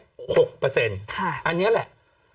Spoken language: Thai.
อันนี้แหละ